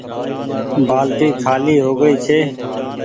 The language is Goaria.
بآلٽي خآلي هوگئي ڇي